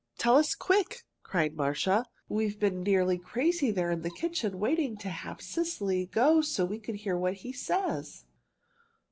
Tell us quick!" cried Marcia. "We've been nearly crazy there in the kitchen waiting to have Cecily go so we could hear what he says!"